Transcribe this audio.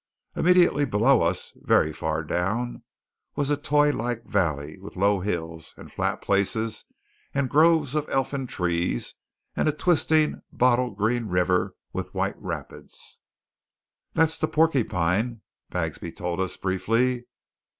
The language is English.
Immediately below us, very far down, was a toy like valley, with low hills, and flat places, and groves of elfin trees, and a twisting bottle green river with white rapids. "Thar's the Porcupine," Bagsby told us briefly.